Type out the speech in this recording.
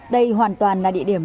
đây hoàn toàn là địa điểm